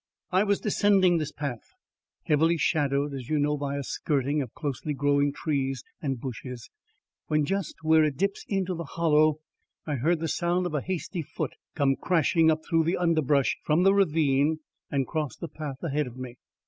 I was descending this path, heavily shadowed, as you know, by a skirting of closely growing trees and bushes, when just where it dips into the Hollow, I heard the sound of a hasty foot come crashing up through the underbrush from the ravine and cross the path ahead of me.